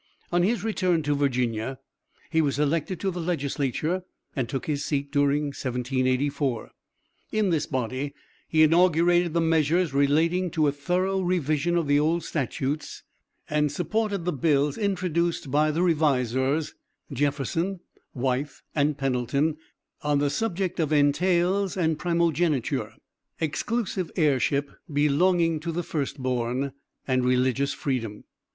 On his return to Virginia he was elected to the Legislature, and took his seat during 1784. In this body he inaugurated the measures relating to a thorough revision of the old statutes, and supported the bills introduced by the revisors, Jefferson, Wyth, and Pendleton, on the subject of entails, primogeniture (exclusive heirship belonging to the first born) and religious freedom.